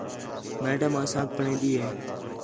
میڈم اَسانک پڑھین٘دی ہے